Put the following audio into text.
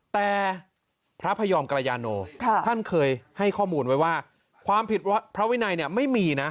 แต่พระพยอมกรยาโนท่านเคยให้ข้อมูลไว้ว่าความผิดพระวินัยเนี่ยไม่มีนะ